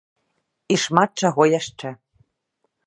І шмат чаго яшчэ.